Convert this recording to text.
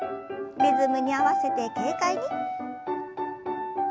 リズムに合わせて軽快に。